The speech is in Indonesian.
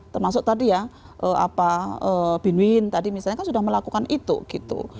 termasuk tadi ya bin win tadi kan sudah melakukan itu